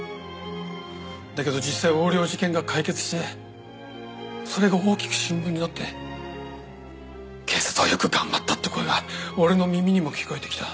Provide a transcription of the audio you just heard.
だけど実際横領事件が解決してそれが大きく新聞に載って警察はよく頑張ったって声が俺の耳にも聞こえてきた。